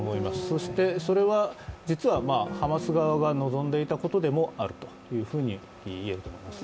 そしてそれは、実はハマス側が望んでいたことでもあるというふうにも言えると思います。